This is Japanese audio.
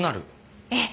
ええ。